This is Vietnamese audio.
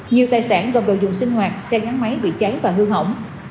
nhiều tài sản gồm đồ dùng sinh hoạt xe gắn máy bị cháy và hư hỏng